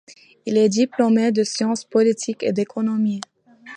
Il est diplômé de sciences politiques et d'économie.